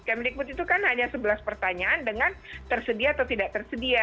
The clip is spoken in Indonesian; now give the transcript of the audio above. kemdikbud itu kan hanya sebelas pertanyaan dengan tersedia atau tidak tersedia